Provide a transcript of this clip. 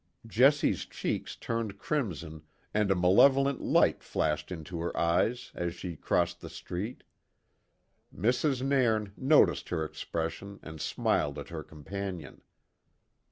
Jessie's cheeks turned crimson and a malevolent light flashed into her eyes as she crossed the street. Mrs. Nairn noticed her expression and smiled at her companion.